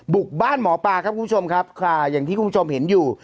บ้านหมอปลาครับคุณผู้ชมครับค่ะอย่างที่คุณผู้ชมเห็นอยู่